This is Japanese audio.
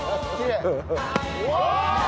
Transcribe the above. うわ！